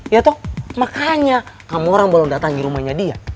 ya toh makanya kamu orang belum datang di rumahnya dia